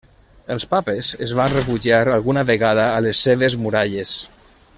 Els Papes es van refugiar alguna vegada a les seves muralles.